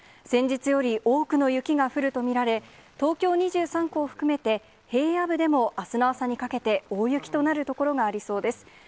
先日より多くの雪が降ると見られ、東京２３区を含めて、平野部でもあすの朝にかけて大雪となる所がありそうです。